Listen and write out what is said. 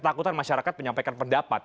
ketakutan masyarakat menyampaikan pendapat